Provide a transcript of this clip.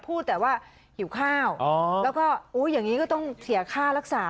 พูดแต่ว่าหิวข้าวแล้วก็อย่างนี้ก็ต้องเสียค่ารักษา